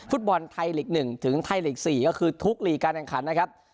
ฟุตบอลไทยหลีกหนึ่งถึงไทยหลีกสี่ก็คือทุกลีการแห่งขันนะครับ